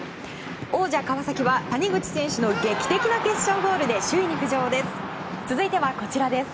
王者・川崎は谷口選手の劇的な決勝ゴールで首位に浮上です。